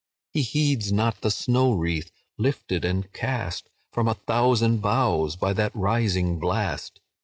He heeds not the snow wreath, lifted and cast From a thousand boughs, by the rising blast.